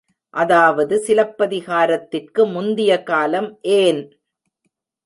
அதாவது சிலப்பதிகாரத்திற்கு முந்திய காலம், ஏன்?